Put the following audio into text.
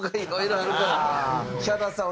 ヒャダさん